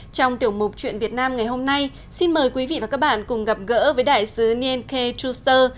trong tiểu mục chuyện việt nam ngày hôm nay xin mời quý vị và các bạn cùng gặp gỡ với đại sứ nien k trusser